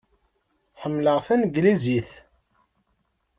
Ḥemmleɣ tanglizit.